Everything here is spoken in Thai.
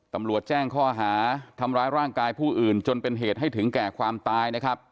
ตำรวจแจ้งข้อหาทำร้ายร่างกายผู้อื่นจนเป็นเหตุให้ถึงแก่ความตายนะครับ